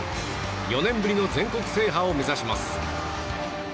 ４年ぶりの全国制覇を目指します。